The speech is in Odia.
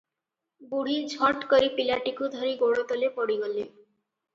ବୁଢ଼ୀ ଝଟକରି ପିଲାଟିକୁ ଧରି ଗୋଡ଼ତଳେ ପଡ଼ିଗଲେ ।